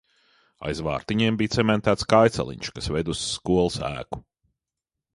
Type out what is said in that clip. Aiz vārtiņiem bija cementēts kājceliņš, kas veda uz skolas ēku.